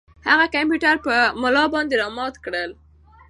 هغه کمپیوټر په ملا باندې را مات کړ.